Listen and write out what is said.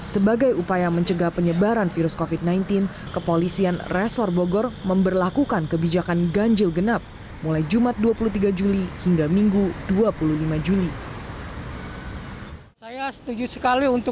sebagai upaya mencegah penyebaran virus covid sembilan belas kepolisian resor bogor memberlakukan kebijakan ganjil genap mulai jumat dua puluh tiga juli hingga minggu dua puluh lima juni